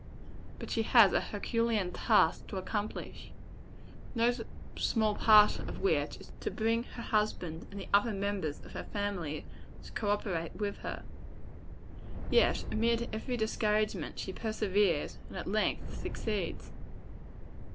But she has a herculean task to accomplish no small part of which is, to bring her husband and the other members of her family to co operate with her. Yet, amid every discouragement, she perseveres, and at length succeeds.